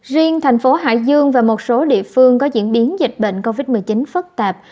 riêng thành phố hải dương và một số địa phương có diễn biến dịch bệnh covid một mươi chín phức tạp